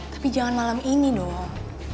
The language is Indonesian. tapi jangan malam ini dong